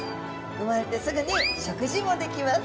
産まれてすぐに食事もできます。